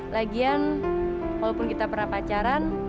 lagian walaupun kita pernah pacaran